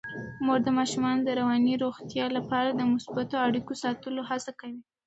مور د ماشومانو د رواني روغتیا لپاره د مثبتو اړیکو ساتلو هڅه کوي.